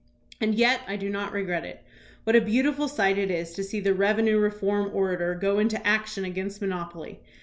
And yet I do not regret it. What a beautiful sight it is to see the revenue reform orator go into action against monopoly.